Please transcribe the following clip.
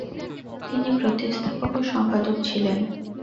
তিনি প্রতিস্থাপক ও সম্পাদক ছিলেন।